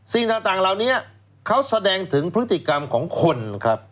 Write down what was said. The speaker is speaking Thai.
สิ่งต่างเหล่านี้เขาแสดงถึงพฤติกรรมของคนครับ